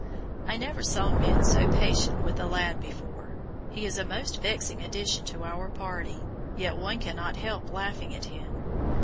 I never saw men so patient with a lad before. He is a most vexing addition to our party, yet one cannot help laughing at him.